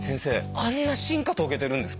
あんな進化遂げてるんですか？